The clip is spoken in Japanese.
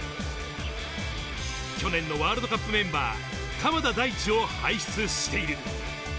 去年のワールドカップメンバー、鎌田大地を輩出している。